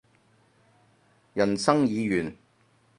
人生已完